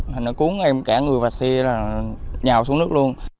thành nó cuốn em cả người và xe là nhào xuống nước luôn